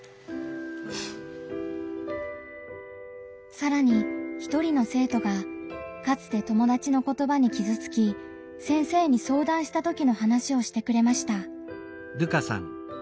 さらに一人の生徒がかつて友達の言葉にきずつき先生に相談したときの話をしてくれました。